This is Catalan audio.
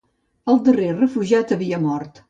El darrer refugiat havia mort.